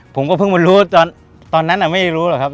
ผมก็เพิ่งมารู้ตอนนั้นไม่รู้หรอกครับ